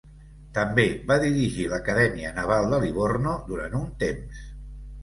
També va dirigir l'Acadèmia Naval de Livorno durant un temps.